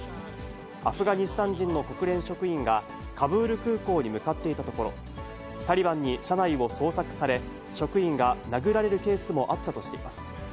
アフガニスタン人の国連職員が、カブール空港に向かっていたところ、タリバンに車内を捜索され、職員が殴られるケースもあったとしています。